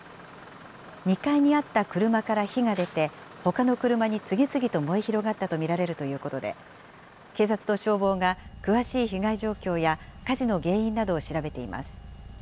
２階にあった車から火が出て、ほかの車に次々と燃え広がったと見られるということで、警察と消防が詳しい被害状況や火事の原因などを調べています。